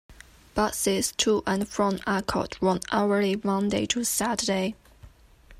Buses to and from Arncott run hourly Monday - Saturday.